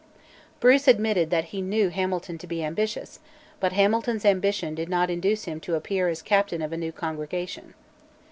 Bruce admitted that he knew Hamilton to be ambitious, but Hamilton's ambition did not induce him to appear as captain of a new congregation.